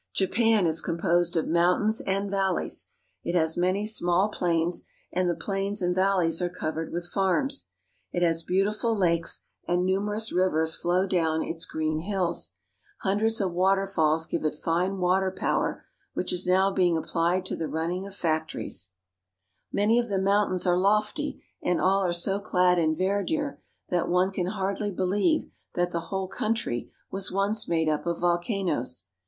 Japan is composed of mountains and valleys. It has many small plains, and the plains and valleys are covered with farms. It has beautiful lakes, and numerous rivers flow down its green hills. Hundreds of waterfalls give it fine water power which is now being applied to the running of factories. THE ISLAND EMPIRE OF JAPAN 25 Many of the mountains are lofty, and all are so clad in verdure that one can hardly believe that the whole country "That cone is Fujiyama, the famous sacred mountain of Japan." was once made up of volcanoes.